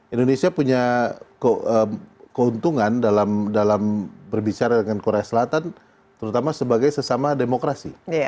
indonesia punya keuntungan dalam berbicara dengan korea selatan terutama sebagai sesama demokrasi